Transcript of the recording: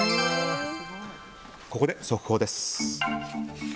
ここで速報です。